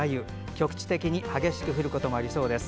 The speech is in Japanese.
局地的に激しく降ることもありそうです。